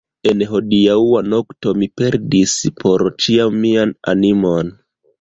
En hodiaŭa nokto mi perdis por ĉiam mian animon!